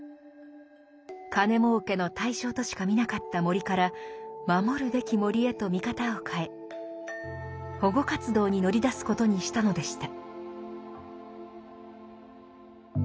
金もうけの対象としか見なかった森から守るべき森へと見方を変え保護活動に乗り出すことにしたのでした。